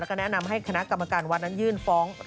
แล้วก็แนะนำให้คณะกรรมการวัดนั้นยื่นฟ้อง